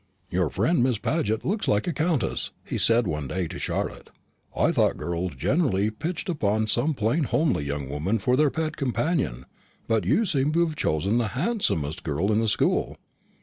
"Your friend Miss Paget looks like a countess," he said one day to Charlotte. "I thought girls generally pitched upon some plain homely young woman for their pet companion, but you seem to have chosen the handsomest girl in the school."